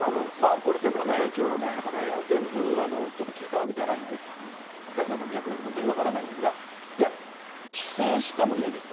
これ全部尾身会長の発言を全部ちょっと聞いたわけじゃないんで、前後の脈絡、分からないんですが、いや、帰省してもいいですと。